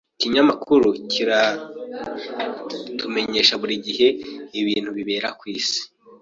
Ikinyamakuru kiratumenyesha buri gihe ibintu bibera kwisi.